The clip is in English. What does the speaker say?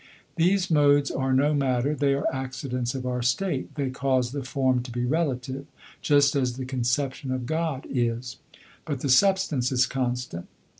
These modes are no matter, they are accidents of our state. They cause the form to be relative, just as the conception of God is; but the substance is constant.